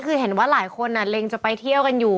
คือเห็นว่าหลายคนเล็งจะไปเที่ยวกันอยู่